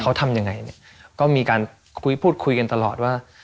เขาทำยังไงเนี่ยก็มีการคุยพูดคุยกันตลอดว่า